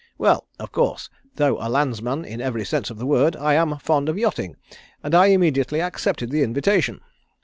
"Well, of course, though a landsman in every sense of the word, I am fond of yachting, and I immediately accepted the invitation.